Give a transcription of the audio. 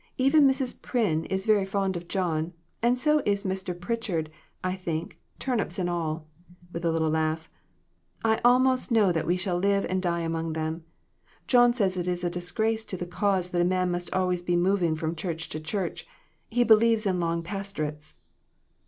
Even Mrs. Pryn is very fond of John ; and so is Mr. Pritchard, I think, turnips and all" with a lit tle laugh. " I almost know that we shall live and die among them. John says it is a disgrace to the cause that a man must be always moving from church to church. He believes in long pastorates."